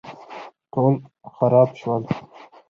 ټول خراب شول